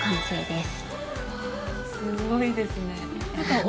わすごいですね。